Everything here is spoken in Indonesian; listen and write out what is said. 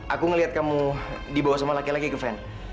aku ngeliat kamu dibawa sama laki laki ke van